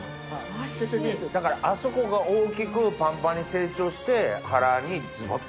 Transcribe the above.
だからあそこが大きくパンパンに成長して殻にズボっと。